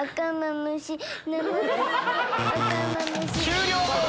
終了！